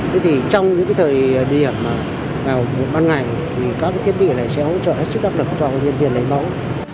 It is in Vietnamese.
thế thì trong những cái thời điểm vào ban ngày thì các cái thiết bị này sẽ hỗ trợ hết sức đắc lực cho nhân viên lấy mẫu